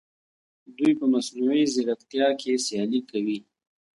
دوی په مصنوعي ځیرکتیا کې سیالي کوي.